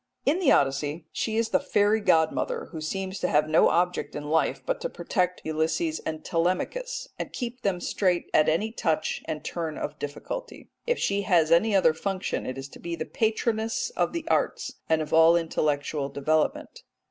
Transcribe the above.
In the Odyssey she is the fairy god mother who seems to have no object in life but to protect Ulysses and Telemachus, and keep them straight at any touch and turn of difficulty. If she has any other function, it is to be patroness of the arts and of all intellectual development.